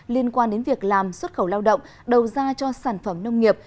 liên quan đến việc làm xuất khẩu lao động đầu ra cho sản phẩm nông nghiệp